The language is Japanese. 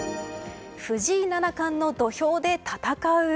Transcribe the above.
藤井七冠の土俵で戦う。